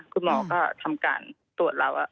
คุณหมอก็ทำการตรวจแล้ว